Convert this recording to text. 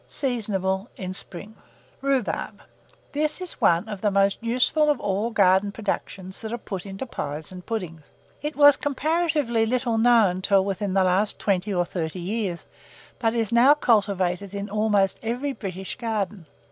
Seasonable in spring. [Illustration: RHUBARB.] RHUBARB. This is one of the most useful of all garden productions that are put into pies and puddings. It was comparatively little known till within the last twenty or thirty years, but it is now cultivated in almost every British garden.